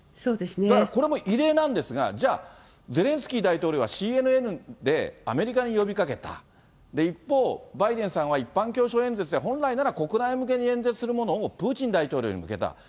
だからこれも異例なんですが、じゃあ、ゼレンスキー大統領は、ＣＮＮで、アメリカに呼びかけた、一方、バイデンさんは一般教書演説で本来なら国内向けに演説するものを、プーチン大統領に向けた。